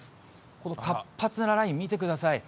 この活発なライン、見てください。